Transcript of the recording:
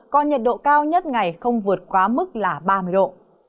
còn nhiệt độ cao nhất ngày không vượt quá mức là ba mươi độ